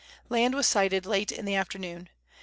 Land was sighted late in the afternoon.